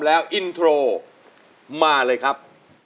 สวัสดีครับ